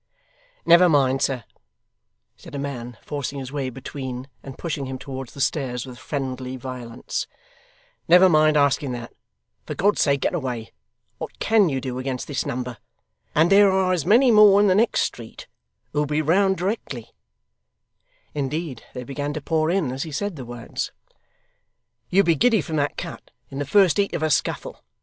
'Never mind, sir,' said a man, forcing his way between and pushing him towards the stairs with friendly violence, 'never mind asking that. For God's sake, get away. What CAN you do against this number? And there are as many more in the next street, who'll be round directly,' indeed they began to pour in as he said the words 'you'd be giddy from that cut, in the first heat of a scuffle.